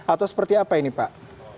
atau seperti apa ini pak